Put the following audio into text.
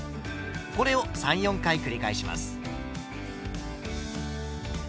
これを３４回繰り返します。